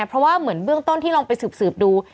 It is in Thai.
เพราะว่าเหมือนเบื้องต้นที่ลองไปสืบดู